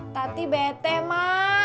tapi bete ma